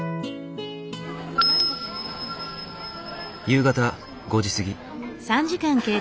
夕方５時過ぎ。